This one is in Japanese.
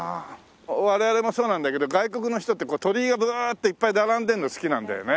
我々もそうなんだけど外国の人って鳥居がブワーッていっぱい並んでるの好きなんだよね。